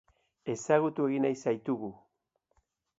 Ezagutu egin nahi zaitugu!